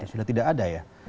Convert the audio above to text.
sudah tidak ada ya